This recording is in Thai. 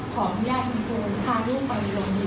ไม่อยากให้เป็นเหมือนที่เราคิด